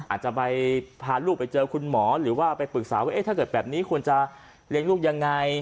อาจจะไปพาลูกไปเจอคุณหมอหรือว่าไปปรึกษาว่าถ้าเกิดแบบนี้ควรจะเลี้ยงลูกยังไง